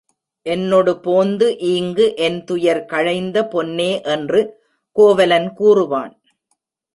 என்னொடு போந்து ஈங்கு என்துயர் களைந்த பொன்னே என்று கோவலன் கூறுவான்.